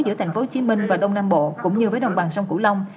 giữa tp hcm và đông nam bộ cũng như với đồng bằng sông cửu long